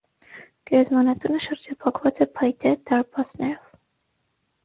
Գերեզմանատունը շրջափակված է փայտե դարպասներով։